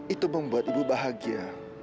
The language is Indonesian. itu membuat ibu bahagia